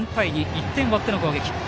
１点を追っての攻撃です。